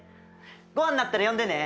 ごはんになったら呼んでね！